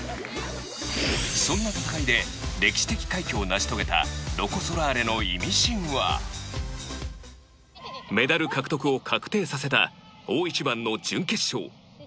そんな戦いで歴史的快挙を成し遂げたロコ・ソラーレのイミシンはメダル獲得を確定させた大一番の準決勝